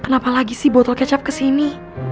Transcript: kenapa lagi si botol kecap kesini